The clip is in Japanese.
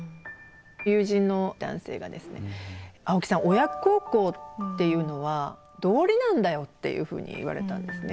親孝行っていうのは道理なんだよ」っていうふうに言われたんですね。